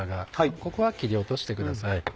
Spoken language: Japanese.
ここは切り落としてください。